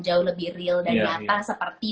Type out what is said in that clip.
jauh lebih real dan nyata seperti